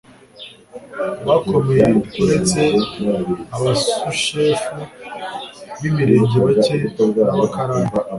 bakomeye uretse abasushefu b imirenge bake n abakarani